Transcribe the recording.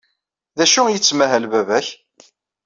D acu ay yettmahal baba-k?